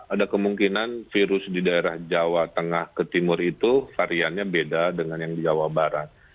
ada kemungkinan virus di daerah jawa tengah ke timur itu variannya beda dengan yang di jawa barat